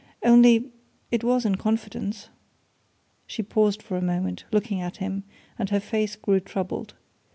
Only it was in confidence." She paused for a moment, looking at him, and her face grew troubled.